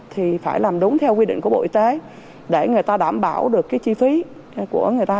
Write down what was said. thì phải làm đúng theo quy định của bộ y tế để người ta đảm bảo được cái chi phí của người ta